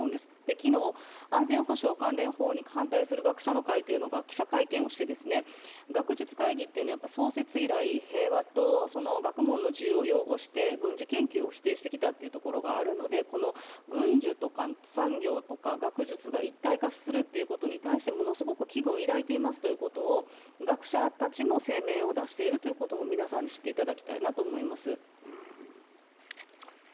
昨日、安全保障関連法に反対する学術会が記者会見をして、学術会議というのは創設以来、平和と学問の自由を擁護して軍事研究を否定してきたということがあるので軍需とか産業とか学術が一体化するということに対してものすごく危惧を抱いていますということを学者たちも声明を出していることを皆さんに知っていただきたいなと思います。